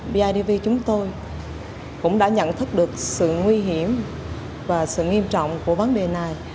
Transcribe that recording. bidv chúng tôi cũng đã nhận thức được sự nguy hiểm và sự nghiêm trọng của vấn đề này